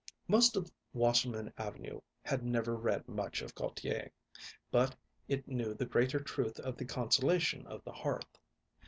Most of Wasserman Avenue had never read much of Gautier, but it knew the greater truth of the consolation of the hearth.